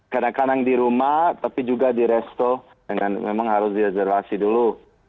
kadang kadang di rumah tapi juga di resto dengan memang harus diezerwasi dulu